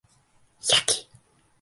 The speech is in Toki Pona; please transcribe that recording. jaki!